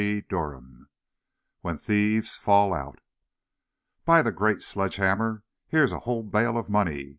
CHAPTER VII WHEN THIEVES FALL OUT "By the great sledge hammer! Here's a whole bale of money!"